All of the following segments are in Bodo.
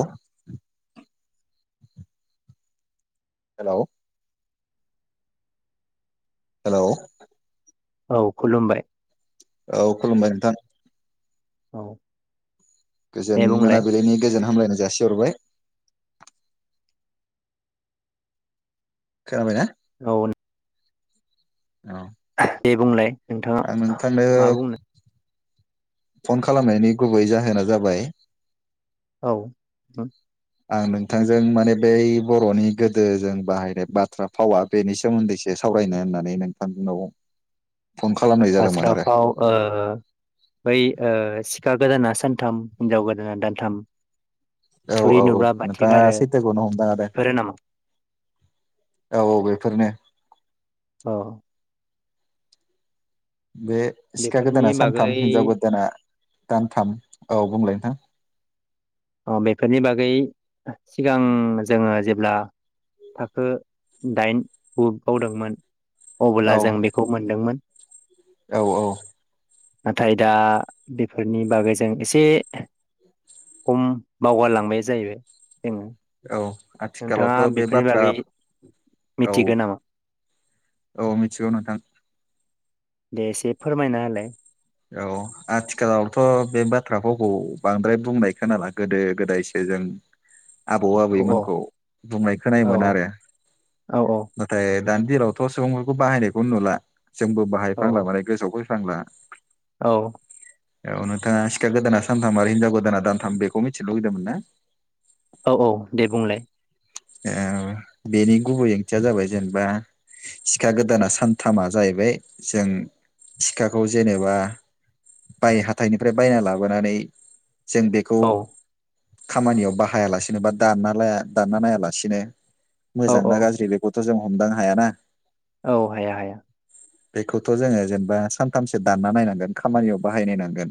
अह हेलौ हेलौ औ खुलुमबाय औ खुलुमबाय नोंथां औ गोजोन दे बुंलाय मोनाबिलिनि गोजोन हामलायनाय जासिहरबाय खोनाबायना औ औ दे बुंलाय आं नोंथांङा नोंथांनो मा बुंनो। फन खालामनायनि गुबै जाहोना जाबाय औ उ आं नोंथांजों माने बै बर'नि गोदो जों बाहायनाय बाथ्रा फावा बेनि सोमोन्दैसो सावरायनो होननानै नोंथांनाव फन खालामनाय जादोंमोन आरो बाथ्राफाव ओ बै ओ सिखा गोदाना सानथाम हिनजाव गोदाना दानथाम औ थुरि औ औ नुब्ला बाथि नोंथांङा गारो सैथोखौनो हमदां हादों बेफोरो नामा । औ औ बेफोरनो। अ बे सिखा बेफोरनि गोदाना सानथाम बागै हिनजाव गोदाना दानथाम। औ बुंलाय नोंथां। अ बेफोरनि बागै सिगां जोंङो जेब्ला थाखो दाइन गु बाव दोंमोन औ अब्ला जों बेखौ मोनदोंमोन औ औ नाथाय दा बेफोरनि बागै जों एसे खम बावगारलांबाय जाहैबाय जोङो औ नोंथाङा आथिखालावथ' बे बेफोरनि बाथ्रा बागै औ मिथिगौ नामा औ मिथिगौ नोंथां दे एसे फोरमायना होलाय औ आथिखालावथ' बे बाथ्रा फावखौ बांद्राय बुंनाय खोनाला गोदो गोदायसो जों आबौ औ औ आबैमोनखौ बुंनाय औ खोनायोमोन आरो औ नाथाय दानि दिनावथ' सुबुंफोरखौ बाहायनायखौ नुला जोंबो बाहाय औ बांला माने गोसोआव फै थांला औ औ नोंथाङा सिखा गोदाना सानथाम आरो हिनजाव गोदाना दानथाम बेखौ मिथिनो लुुगैदोंमोन ना? औ औ दे बुंलाय ओ बेनि गुबै ओंथिया जाबाय जेनेबा सिखा गोदाना सानथामा जाहैबाय जों सिखाखौ जेनेबा बाय हाथाइनिफ्राय बायना लाबोनानै जों बेखौ औ खामानियाव बाहाया लासेनो बा दानना ला दानना नाया ला सिनो औ मोजां औ ना गाज्रि बेखौ जों हमदांनो हायाना औ हाया हाया बेखौथ' जोङो जेनेबा सानथामसो दानना नायनांगोन खामानियाव बाहायनायनांगोन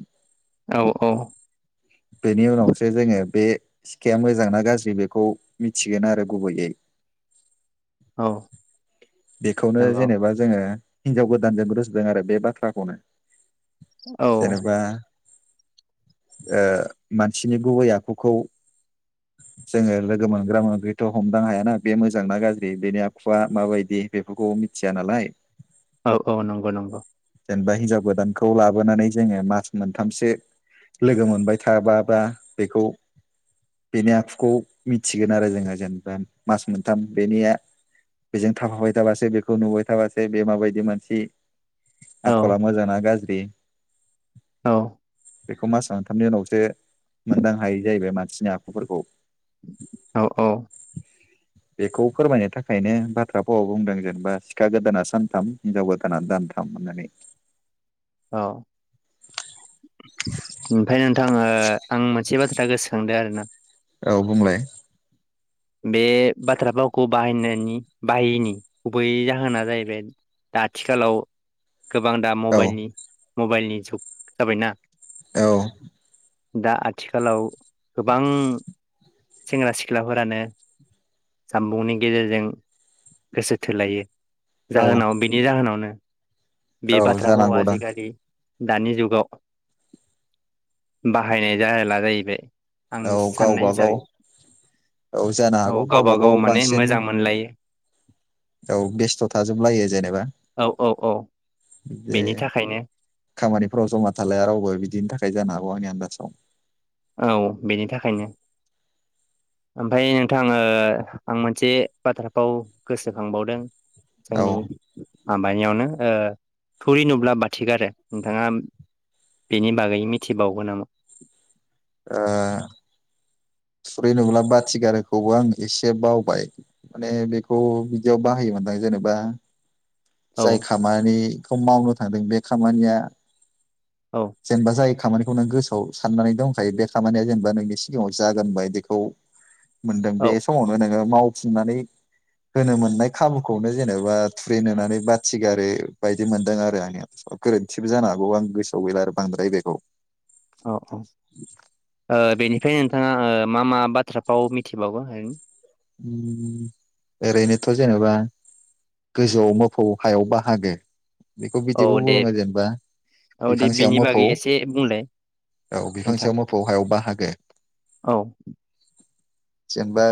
औ औ [inaudible] बेनि उनावसो जोङो बे सिखाया मोजां ना गाज्रि बेखौ मिथि गोन आरो गुबैयै औ बेखौनो नंगौ जेनेबा जोङो आ हिनजाव गोदानजों रुजुदों आरो बे बाथ्राखौनो औ जेनबा ओ मानसिनि गुबै आखुखौ जोङो लोगो मोनग्रा मोनग्राथ' हमदां हायाना बे मोजां ना गाज्रि बेनि आखुआ माबायदि बेफोरखौ मिथिया नालाय औ औ नंगौ नंगौ जेनेबा हिनजाव गोदानखौ लाबोनानै जोङो मास मोनथामसो लोगो मोनबाय थाबाबा बेखौ बेनि आखुखौ मिथिगोन आरो जोङो जेनेबा मास मोनथाम बेनिया बेजों थाफाबाय थ थाबासो बेखौ नुबाय थाबासो बे माबायदि मानसि औ आखला मोजां ना गाज्रि बे औ बेखौ मास मोनथामनि उनावसो मोनदां हायो जाहैबाय मानसिनि आखुफोरखौ औ औ बेखौ फोरमायनो थाखायनो बाथ्रा फावाव बुंदों जेनेबा सिखा गोदाना सानथाम हिनजाव गोदाना दानथाम होननानै ओमफाय नोंथां ओ आं मोनसे बाथ्रा गोसोखांदो आरो ना औ बुंलाय बे बाथ्रा भावखौ बाहायनायनि बाहायैनि गुबै जाहोना जाहैबाय दा आथिखालाव गोबां दा औ मबाइलनि मबाइलनि जुग जाबायना औ दा आथिखालाव गोबां सेंग्रा सिख्लाफोरानो जामबुंनि गेजेरजों गोसो थोलायो औ जाहोनाव बिनि जाहोनावनो बे औ बाथ्राफाव आ जानांगौ दां आजिखालि दानि जुगाव बाहायनाय जाहोला जाहैबाय औ आंनि साननाय गावबा गाव हिसाबै औ जानो हागौ औ गावबा गाव माने बांसिन मोजां मोनलायो औ बेस्थ' थाजोबलायो जेनेबा औ औ बेे बेनि थाखायनो खामानिफ्राव जमा थालाया रावबो बिदिनि थाखाय जानो हा गौ आंनि आनदासाव औ बिनि थाखायनो ओमफाय नोंथाङो ओ आं मोनसे बाथ्राखौ गोसोखांबावदों औ जोंनि ओ माबानियावनो ओ थुरि नुब्ला बाथि गारो नोंथाङा बेनि बागै मिथिबावगो नामा? ओ थुरै नुब्ला बाथि गारोखौबो आं एसे बावबाय माने बेखौ बिदियाव बाहायोमोनदां जेनेबा जाय औ खामानि खौ मावनो थांदों बे खामानिया औ जेनबा जाय खामानिखौ नों गोसोआव सान्नानै दंखायो बे खामानिया जेनबा नोंनि सिगाङाव जागोन बायदिखौ मोनदों औ बे समावनो नोङो माव थिनानै होनो मोन्नाय खाबुखौनो जेनेबा थुरि नुनानै बाथि गारो बायदि मोनदों आरो [unintelligible] गोरोन्थिबो जानो हागौ आं गोसोआव गैला आरो बांद्राय बेखौ । औ औ ओ बेनिफ्राय नोंथाङा ओ मा मा बाथ्राफाव मिथिबावो? उम ओरैनोथ' जेनेबा गोजौआव मोफौ हायाव बाहागो बेखौ औ बिदिबो दे बुुङो जेनेबा औ दे बिफां सायाव बिनि मोफौ बागै एसे बुंलाय औ बिफां नोंथां सायाव मोफौ हायाव बाहाग [unintelligible] औ। जेनेबा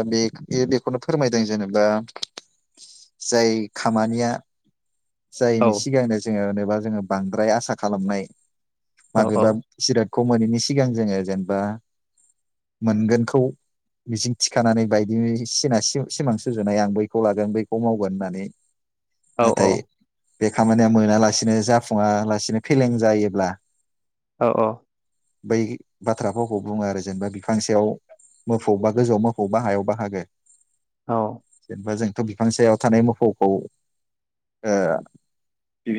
बे बेखौनो फोरमायदों जेनेबा जाय खामानिया औ जायैनि सिगांनो जोङो बा जोङो बांद्राय आसा खालामनाय । औ औ माबेबाब जिराद खौ मोनैनि सिगां जोङो जेनेबा, मोनगोनखौ मिजिं थिखानानै बाय बि सिना सिमां सुजुनाय आं बैखौ लागोन बैखौ मावगोन होन्नानै। औ नाथाय बे खामानिया मोनालासिनो जाफुङा लासिनो फेलें जायोब्ला औ औ। बै बाथ्राफावखौ बुङो आरो जेनेबा बिफांसेयाव मोफौ बा गोजौआव मोफौ बा हायाव हागो। औ जेनेबा जों थ' बिफां सायाव थानाय मोफौखौ ओ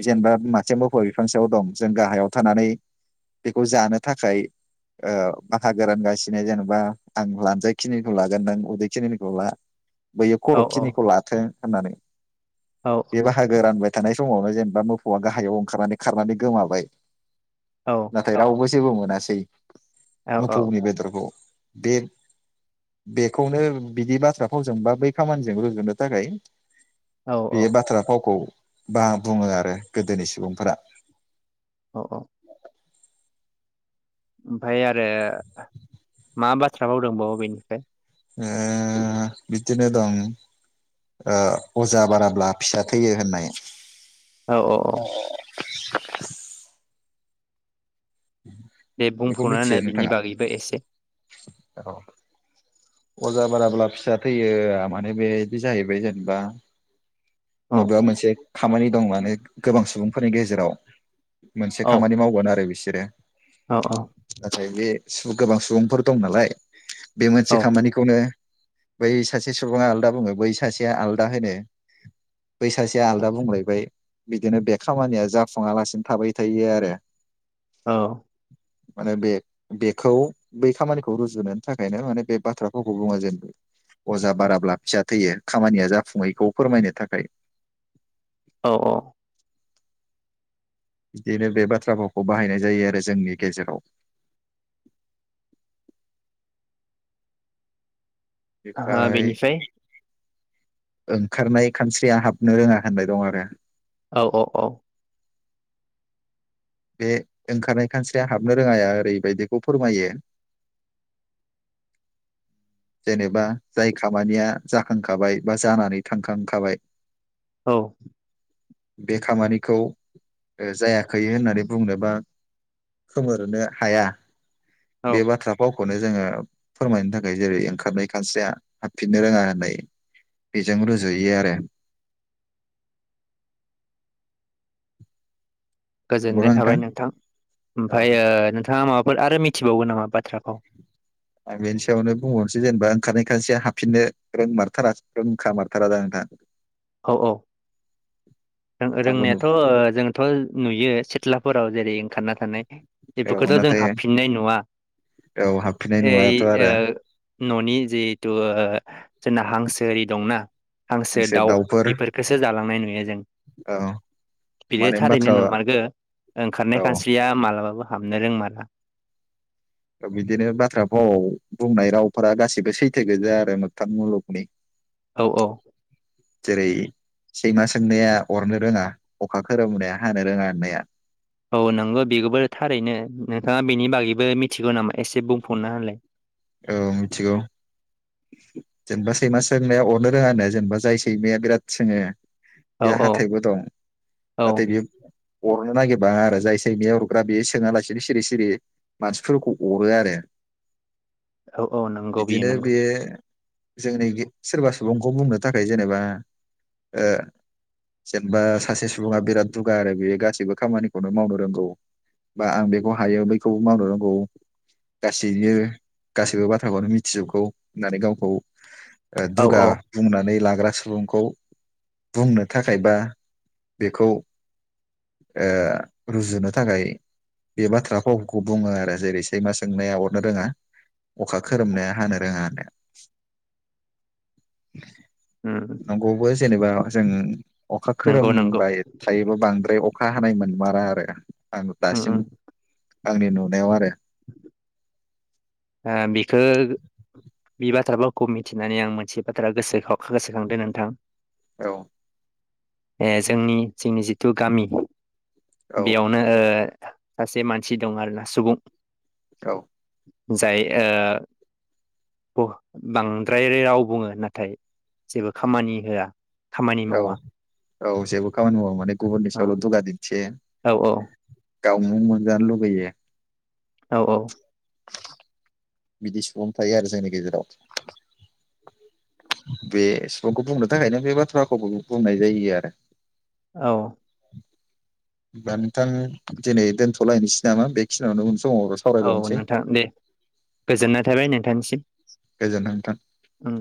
जेनेबा मासे मोफौ बिफां सायाव दं, जों गाहायाव थानानै बेखौ जानो थाखाय ओ बाहागोरानगासिनो जेनेबा आं लानजाय खिनिखौ लागोन नों उदै खिनिनि खौला। बैयो औ खर'खिनिखौ लाथों होनानै औ बेवहाय हा गोरान बायदि थानाय समावनो जेनेबा मोफौवआ गाहायाव ओंखारनानै खारनानै गोमाबाय। नथाय रावबो। जेबो मोनासै। मोफौनि बेदरखौ बे बेखौनो बिदि बाथ्रा फावजों बा बै खामानिजों रुजुनो थाखाय। औ बे बाथ्रा फावखौ बा बुङो आरो गोदोनि सुबुंफोरा। औ औ। ओमफ्राय आरो मा बाथ्राबा दोंबावो बेनिफ्राय। ओ बिदिनो दं ओ अजा बाराब्ला फिसा थैयो होननाय। औ औ औ। [inaudible] बे बेखौ बुंफोरनानै मिथियो होनाय बिनि नोंथाङा बागैबो एसे औ। अजा बाराब्ला फिसा थैयो, माने बे जाहैबाय जेनेबा। औ माबा मोनसे खामानि दंमोन। उमफ्राय गोबां सुबुंफोरनि गेजेराव मोनसे औ खामानि मावगोन आरो बिस औ [unintelligible] नाथाय बे। गोबां सुबुंफोर दं नालाय बे। औ खामानिखौनो। बै सासे सुबुङा आलादा बुङो बै सासेया आलादा होनो बै सासेया आलदा बुंलायबाय बिदिनो बे खामानिया जाफुङालासिनो थाबाय थायो आरो। औ। माने बे बेखौ बै खामानिखौ रुजोनो थाखायनो माने बे। बाथ्राफोरखौ बुङो जेनेबा अजा बाराब्ला फिसा थैयो खामानिया जाफुङैखौ फोरमायनो थाखाय। औ औ। बिदिनो बे बाथ्रा भावखौ बाहायनाय जायो आरो जोंनि गेजेराव। ओ बेनिफ्राय बेनिफाय। ओंखारनाय खानस्रिया हाबनो रोङा होननाय दं आरो। औ औ औ। बे ओंखारनाय खानस्रिया हाबनो रोङाया ओरैबायदिखौ फोरमायो। जेनेबा जाय खामानिया जाखांखाबाय बा जानानै थांखांखाबाय। औ। बे खामानिखौ जायाखै होननानै बुंनोबा खोमोरनो हाया। औ बे बाथ्रा फाव। खौनो जोङो फोरमायनो थाखाय जेरै। ओंखारनाय खानस्रिया हाबफिननो रोङा होननाय बेजों रुजुयो आरो गोजोननाय थाबाय नोंथां औ ओमफाय ओ नोंथाङा माबा। फोर आरो मिथिबावयो नामा बाथ्रा फाव। आं बेनि सायावनो बुंबावनोसै जेनेबा ओंखारनाय खानस्रिया हाबफिननो रोंमारथारा रोंखा मारथारा दा नोंथां। औ औ रों आंबो नु रोंनायाथ' ओ जोंथ'। नुयो सिथ्लाफोराव जेरै ओंखारना थानाय। औ बेफोरखौथ' जों नाथाय हाबफिननाय नुवा औ हाबफिननाय ओइ नुवाथ' ओ। आरो न'नि जिहेथु ओ जोंना हांसो एरि दंना। हांसो दाउ। बिफोरखोसो जालांनाय। [inaudible] औ बिदि माने थारैनो बाथ्रा नोंमारगो ओंखारनाय औ खानस्रिया मालाबाबो। हाबनो रोंमारा। ओ बिदिनो बाथ्रा भाव बुंनाय रावफोरा गासिबो सैथो गोजाया आरो मोगथां मुलुगनि। औ औ जेरै। सैमा सोंनाया अरनो रोङा अखा खोरोमनाया हानो रोङा होननाया। औ नोंगौ बे [inaudible] बो थारैनो। नोंथाङा बेनि बागैबो मिथिगौ नामा एसे बुंफुरना होलाय। ओ मिथिगौ जेनेबा सैमा सोंनाया अरनो रोङानो जेनेबा जाय सैमाया बिराद सोङो औ बेहा औ हाथायबो दं औ नाथाय बियो अरनो नागिरबा आरो जाय सैमया अरग्रा बे सोङा लासेनो सिरि सिरि मानसिफोरखौ अरो आरो औ औ नोंगौ बियो बिदिनो नोंगौ बेयो जोंनि गि सोरबा सुबुंखौ बुंनो थाखाय जेनेबा ओ जेनबा सासे सुबुङा बिराद दुगा आरो बेयो गासैबो खामानिखौनो मावनो रोंगौ बा आं बेखौ हायो बैखौबो मावनो रोंगौ गासैबो गासैबो बाथ्राखौनो मिथिजोबगौ होननानै गावखौ ओ औ दुगा औ बुंनानै ला ग्रा सुबुंखौ बुंनो थाखाय बा बेखौ ओ रुजुनो थाखाय बे बाथ्रा फावखौ बुङो आरो जेरै सैमा सोंनाया अरनो रोङा अखा खोरोमनाया हानो रोङानो [inaudible] उम नंगौबो जेनेबा जों अखा नंगौ नंगौ खोरोमबाय थायोबा बांद्राय अ खा हानाय मोनमारा आरो आं उम दासिम उम आंनि नुनायाव आरो ओ बिखो बे बाथ्राफावखौ मिथिनानै आं मोनसे बाथ्रा गोसो खाव गोसोखांदों नोंथां। औ ए जोंनि जोंनि जिथु गामि औ बेयावनो ओ सासे मानसि दं आरोना सुबुं औ जाय ओ बांद्राय राव बुङो नाथाय जेबो खामानि होआ। खामानि औ मावा औ जेबो खामानि मावो माने गुबुननि औ सायावल' दुगा दिन्थियो। औ औ गावनो मोनजानो लुगैयो। औ औ बिदि सुबुं थायो आरो जोंनि गेजेराव। बे सुबुंखौ बुंनो थाखायनो बे बाथ्रा फावखौबो बुंनाय जायो आरो। औ दा नोंथां दिनै दोनथ'लायनोसै नामा बेखिनियावनो समाव औ सावरायबावनोसै नोंथां दे गोजोननाय थाबाय नोंथांनिसिम। गोजोन्थों नोंथां। उम